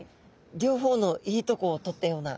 両方のいいとこを取ったような。